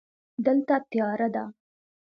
دلته تیاره ده.